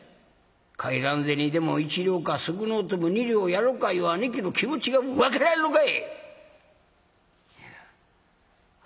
かえらん銭でも１両か少のうても２両やろかいう兄貴の気持ちが分からんのかい！」。